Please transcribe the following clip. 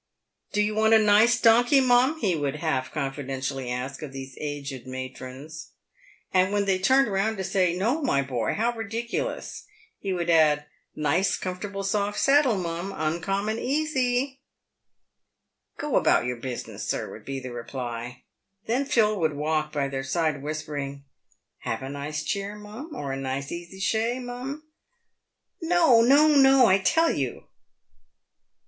" Do you want a nice donkey, mum ?" he would half confidentially ask of these aged matrons ; and when they turned round to say " No, my boy ; how ridiculous !" he would add, " Nice comfortable soft saddle, mum, uncommon easy!" 140 PAVED WITH GOLD. " Go about your "business, sir," would be the reply. Then Phil would walk by their side, whispering, "Have a nice cheer, mum, or a nice easy shay, mum ?"" No, no, no, I tell you